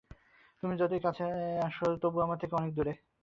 তুমি আমার যতই কাছে থাক তবু আমার থেকে তুমি অনেক দূরে।